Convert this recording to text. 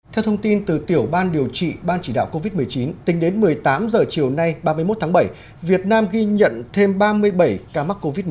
theo thông tin từ tiểu ban điều trị ban chỉ đạo covid một mươi chín tính đến một mươi tám h chiều nay ba mươi một tháng bảy việt nam ghi nhận thêm ba mươi bảy ca mắc covid một mươi chín